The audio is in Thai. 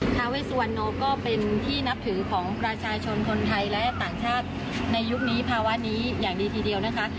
ทาเวสุวรรณโนก็เป็นที่นับถือของประชาชนคนไทยและต่างชาติในยุคนี้ภาวะนี้อย่างดีทีเดียวนะคะ